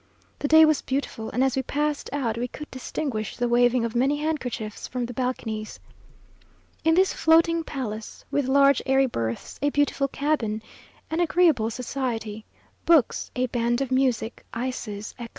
The day was beautiful, and as we passed out, we could distinguish the waving of many handkerchiefs from the balconies. In this floating palace, with large airy berths, a beautiful cabin, an agreeable society, books, a band of music, ices, etc.